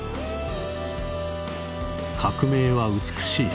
「“革命”は美しい。